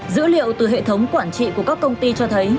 dữ liệu từ hệ thống quản trị của các công ty cho thấy